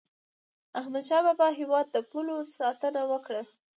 احمد شاه بابا د هیواد د پولو ساتنه وکړه.